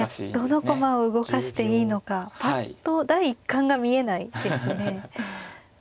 どの駒を動かしていいのかぱっと第一感が見えないですね。